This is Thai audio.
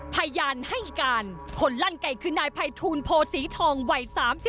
พยานให้การคนลั่นไก่คือนายภัยทูลโพศีทองวัย๓๔